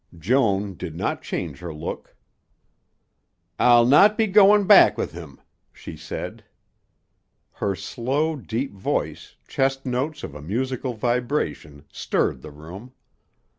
Joan did not change her look. "I'll not be goin' back with him," she said. Her slow, deep voice, chest notes of a musical vibration, stirred the room.